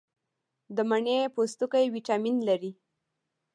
د مڼې پوستکي ویټامین لري.